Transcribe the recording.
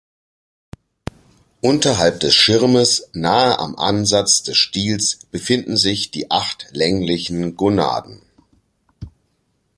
Unterhalb des Schirmes, nahe am Ansatz des Stiels befinden sich die acht länglichen Gonaden.